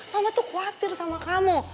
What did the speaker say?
mama tuh khawatir sama kamu